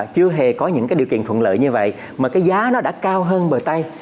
chưa hề có những cái điều kiện thuận lợi như vậy mà cái giá nó đã cao hơn bờ tây